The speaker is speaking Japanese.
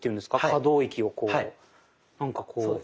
可動域をこうなんかこう。